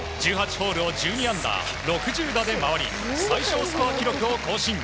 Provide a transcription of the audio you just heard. １８ホールを１２アンダー、６０打で回り最少スコア記録を更新。